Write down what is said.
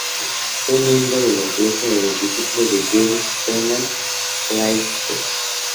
Fue miembro de la Iglesia de los Discípulos de James Freeman Clarke.